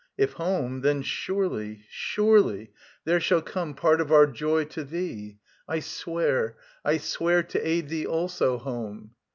If home, then surely, surely, there shall come Part of our joy to thee. I swear, I swear To aid thee also home